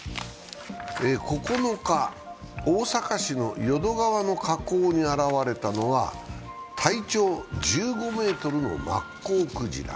９日、大阪市の淀川の河口に現れたのは体長１５ｍのマッコウクジラ。